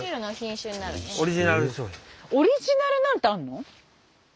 オリジナルなんてあるの？